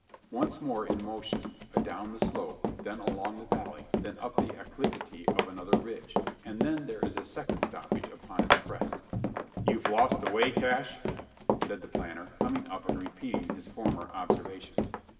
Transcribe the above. Once more in motion adown the slope then along the valley then up the acclivity of another ridge and then there is a second stoppage upon its crest. "You've lost the way, Cash?" said the planter, coming up and repeating his former observation.